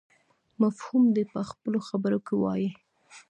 مفهوم دې په خپلو خبرو کې ووایي.